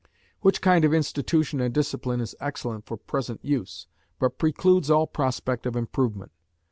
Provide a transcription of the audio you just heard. Which kind of institution and discipline is excellent for present use, but precludes all prospect of improvement.